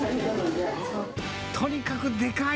とにかくでかい。